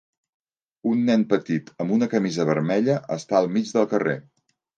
Un nen petit amb una camisa vermella està al mig del carrer.